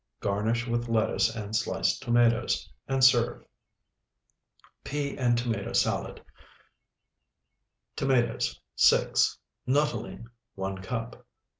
Garnish with lettuce and sliced tomatoes, and serve. PEA AND TOMATO SALAD Tomatoes, 6. Nuttolene, 1 cup.